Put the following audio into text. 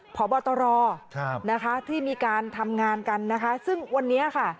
พบตรนะคะที่มีการทำงานกันนะคะซึ่งวันนี้ค่ะ